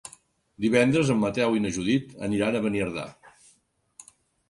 Divendres en Mateu i na Judit aniran a Beniardà.